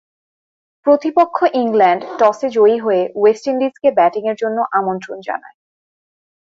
প্রতিপক্ষ ইংল্যান্ড টসে জয়ী হয়ে ওয়েস্ট ইন্ডিজকে ব্যাটিংয়ের জন্যে আমন্ত্রণ জানায়।